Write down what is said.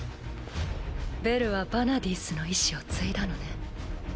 ベルはヴァナディースの遺志を継いだのね。